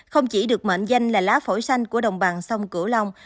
không chỉ được mệnh danh là lá phổi xanh của đồng bằng sông cửu long